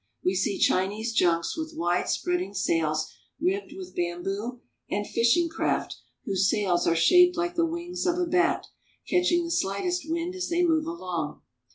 We see Chinese junks with widespreading sails ribbed with bamboo and fishing craft whose sails are shaped like the wings of a bat, catching the slightest wind as they move along.